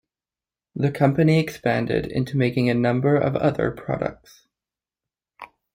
The company expanded into making a number of other products.